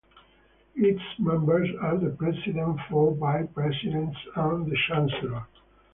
Its members are the president, four vice-presidents and the chancellor.